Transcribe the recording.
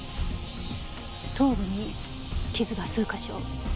頭部に傷が数か所。